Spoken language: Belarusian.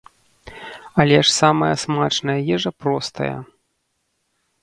Але ж самая смачная ежа простая.